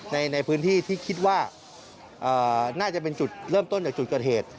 ในพื้นที่ที่คิดว่าน่าจะเป็นจุดเริ่มต้นจากจุดเกิดเหตุ